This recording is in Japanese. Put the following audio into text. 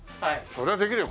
そりゃできるよ